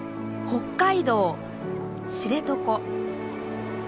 北海道知床。